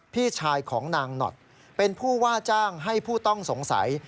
พี่ชายของนางหนอดเป็นผู้ว่าจ้างให้ผู้ต้องสงสัย